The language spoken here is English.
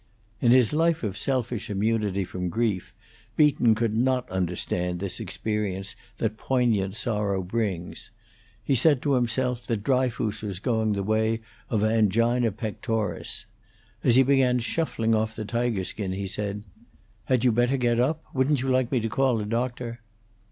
In his life of selfish immunity from grief, Beaton could not understand this experience that poignant sorrow brings; he said to himself that Dryfoos was going the way of angina pectoris; as he began shuffling off the tiger skin he said: "Had you better get up? Wouldn't you like me to call a doctor?"